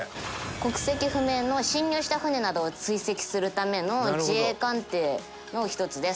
国籍不明の侵入した船などを追跡するための自衛艦艇の一つです。